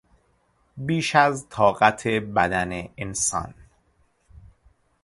بیش از طاقت بدن انسان